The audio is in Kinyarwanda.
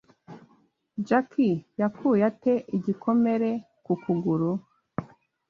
Jack yakuye ate igikomere ku kuguru?